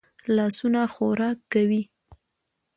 لاسونه خوراک کوي